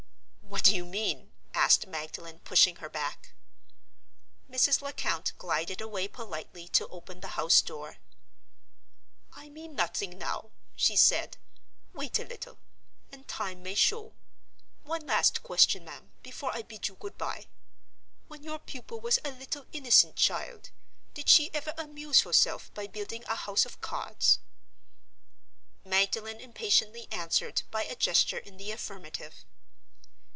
"What do you mean?" asked Magdalen, pushing her back. Mrs. Lecount glided away politely to open the house door. "I mean nothing now," she said; "wait a little, and time may show. One last question, ma'am, before I bid you good by. When your pupil was a little innocent child, did she ever amuse herself by building a house of cards?" Magdalen impatiently answered by a gesture in the affirmative.